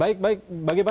baik baik bagaimana